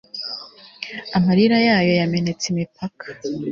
amarira yayo yamenetse imipaka